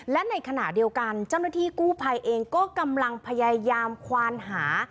และในขณะเดียวกันเจ้าหน้าที่กู้ภัยเองก็กำลังพยายามควานหา